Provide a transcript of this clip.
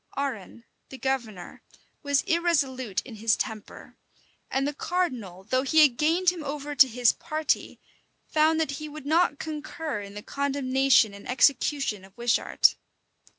Arran, the governor, was irresolute in his temper; and the cardinal, though he had gained him over to his party, found that he would not concur in the condemnation and execution of Wishart.